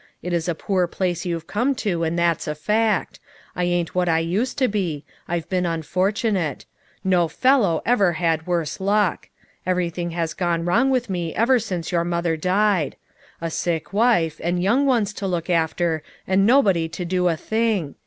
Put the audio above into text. It is a poor place you've come to, and that's a fact. I ain't what I used to be ; I've been unfortunate. No fellow ever had worse luck. Everything has gone wi'ong with me ever since your mother died. A sick wife, and young ones to look after, and nobody to do a thing.